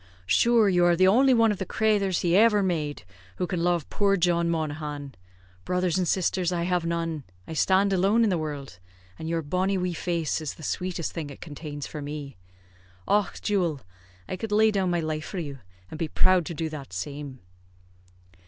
"Shure you are the only one of the crathers he ever made who can love poor John Monaghan. Brothers and sisters I have none I stand alone in the wurld, and your bonny wee face is the sweetest thing it contains for me. Och, jewil! I could lay down my life for you, and be proud to do that same."